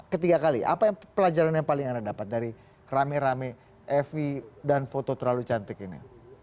ketiga kali apa yang pelajaran yang paling anda dapat dari rame rame ev dan foto terlalu cantik ini